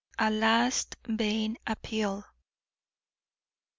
A LAST VAIN APPEAL.